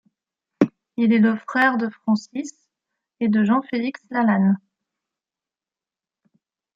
Il est le frère de Francis et de Jean-Félix Lalanne.